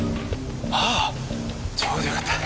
ああちょうどよかった。